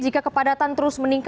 jika kepadatan terjadi